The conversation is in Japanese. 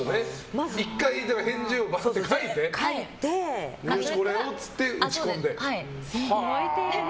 １回返事を書いてこれをって打ち込んで。